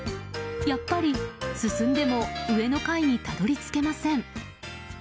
やっぱり進んでも上の階にたどり着けません。